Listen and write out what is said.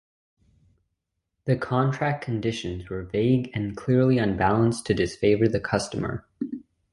The contract conditions were vague and "clearly unbalanced to disfavor the customer".